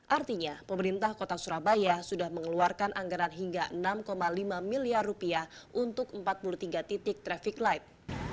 artinya pemerintah kota surabaya sudah mengeluarkan anggaran hingga enam lima miliar rupiah untuk empat puluh tiga titik traffic light